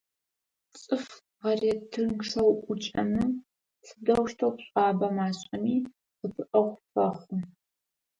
ЦӀыф гъэретынчъэ уӀукӀэмэ, сыдэущтэу пшӀуабэ машӀэми, ӀэпыӀэгъу фэхъу.